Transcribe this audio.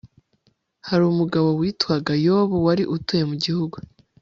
hari umugabo witwaga yobu wari utuye mu gihugu